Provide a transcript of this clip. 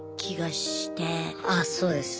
あそうです。